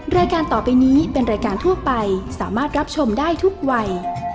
รายการต่อไปนี้เป็นรายการทั่วไปสามารถรับชมได้ทุกวัย